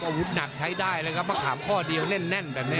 อาวุธหนักใช้ได้เลยครับมะขามข้อเดียวแน่นแบบนี้